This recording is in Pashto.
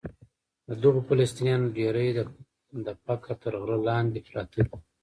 د دغو فلسطینیانو ډېری د فقر تر غره لاندې پراته دي.